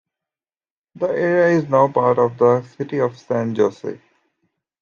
The area is now part of the city of San Jose.